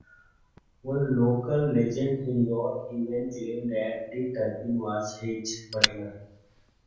One local legend in York even claimed that Dick Turpin was his butler.